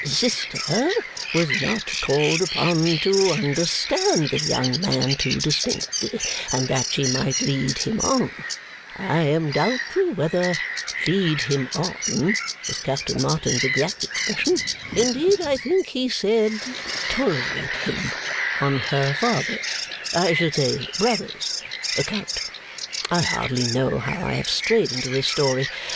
sister was not called upon to understand the young man too distinctly, and that she might lead him on I am doubtful whether "lead him on" was Captain Martin's exact expression: indeed I think he said tolerate him on her father's I should say, brother's account. I hardly know how I have strayed into this story.